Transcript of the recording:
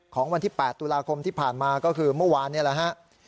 ของวันที่๘ตุลาคมที่ผ่านมาก็คือเมื่อวานนี่แหละฮะ